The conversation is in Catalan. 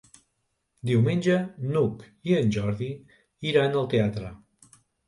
Diumenge n'Hug i en Jordi iran al teatre.